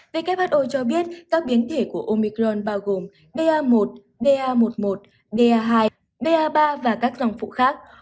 who cho biết các biến thể của omicron bao gồm ba một ba một một ba hai ba ba và các dòng phụ khác